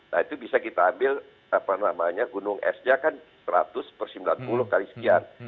nah itu bisa kita ambil gunung esnya kan seratus persen sembilan puluh kali sekian